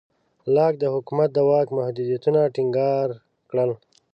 لاک د حکومت د واک محدودیتونه ټینګار کړل.